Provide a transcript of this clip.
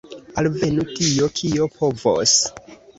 Alvenu tio, kio povos!